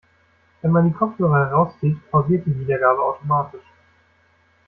Wenn man die Kopfhörer herauszieht, pausiert die Wiedergabe automatisch.